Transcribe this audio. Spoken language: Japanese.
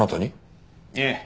ええ。